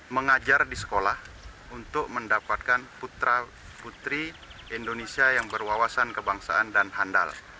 mengajar di sekolah untuk mendapatkan putra putri indonesia yang berwawasan kebangsaan dan handal